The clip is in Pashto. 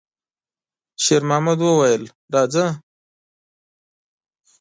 شېرمحمد وویل: «راځه!»